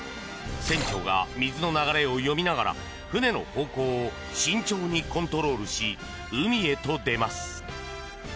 船長が水の流れを読みながら船の方向を慎重にコントロールし海へと出ます。